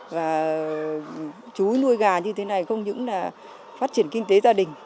và chú nuôi gà như thế này không những là phát triển kinh tế gia đình